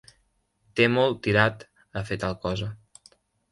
Té molt tirat a fer tal cosa.